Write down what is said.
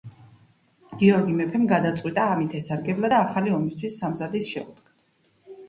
გიორგი მეფემ გადაწყვიტა ამით ესარგებლა და ახალი ომისთვის სამზადისს შეუდგა.